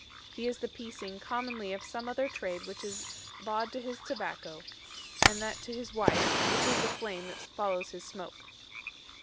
Hee is the piecing commonly of some other trade which is bawde to his Tobacco, and that to his wife, which is the flame that follows this smoke."